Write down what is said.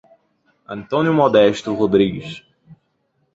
Antônio Modesto Rodrigues